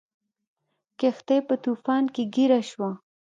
کښتۍ په طوفان کې ګیره شوه.